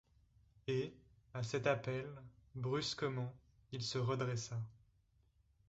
Et, à cet appel, brusquement, il se redressa.